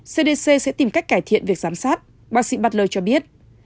cdc sẽ tìm cách cải thiện việc giám sát bác sĩ batler cho biết